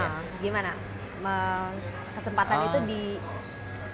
gimana kesempatan itu dipakai dengan baik